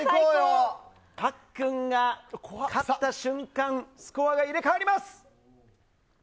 パックンが勝った瞬間スコアが入れ替わります。